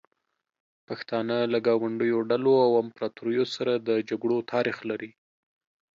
پښتانه له ګاونډیو ډلو او امپراتوریو سره د جګړو تاریخ لري.